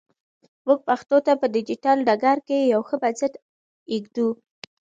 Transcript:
موږ پښتو ته په ډیجیټل ډګر کې یو ښه بنسټ ایږدو.